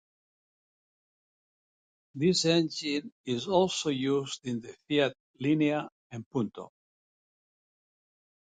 This engine is also used in the Fiat Linea and Punto.